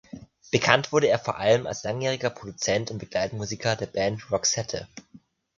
Bekannt wurde er vor allem als langjähriger Produzent und Begleitmusiker der Band Roxette.